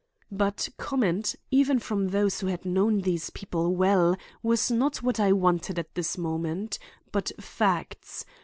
But comment, even from those who had known these people well, was not what I wanted at this moment, but facts.